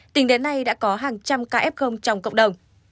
tính đến nay đã có hàng trăm ca f trong cộng đồng